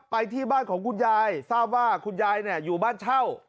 ไปที่บ้านของคุณยายทราบว่าคุณยายอยู่บ้านเช่า